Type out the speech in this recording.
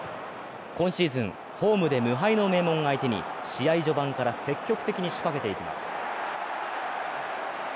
今シーズン、ホームで無敗の名門相手に試合序盤から積極的に仕掛けていきます。